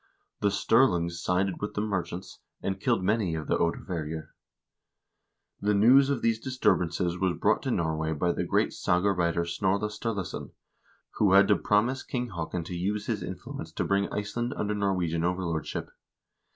The Sturlungs sided with the merchants, and killed many of the Oddaverjer. The news of these disturbances was brought to Norway by the great saga writer Snorre Sturlason, who had to promise King Haakon to use his influence to bring Iceland under Norwegian overlordship.